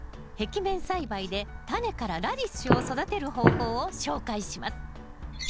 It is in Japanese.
壁面栽培でタネからラディッシュを育てる方法を紹介します。